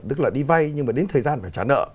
tức là đi vay nhưng mà đến thời gian phải trả nợ